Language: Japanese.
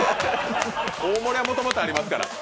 大盛りはもともとありますから。